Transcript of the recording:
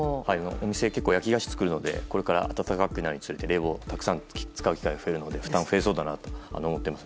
お店は結構焼き菓子を作るのでこれから暖かくなるにつれて冷房をたくさん使う機会が増えるので負担が増えそうだなと思ってます。